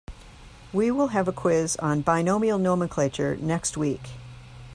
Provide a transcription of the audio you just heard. We will have a quiz on binomial nomenclature next week.